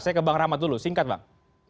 saya ke bang rahmat dulu singkat bang